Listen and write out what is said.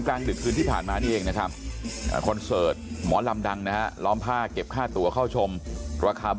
กลางดึดคืนที่ผ่านมานี่เองนะครับ